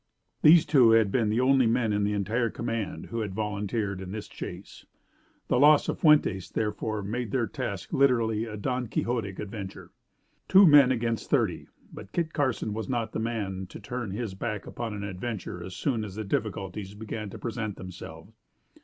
These two had been the only men in the entire command who had volunteered in this chase. The loss of Fuentes therefore made their task literally a Don Quixotic adventure. Two men against thirty. But Kit Carson was not the man to turn his back upon an adventure as soon as the difficulties began to present themselves.